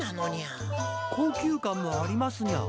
高級感もありますにゃ！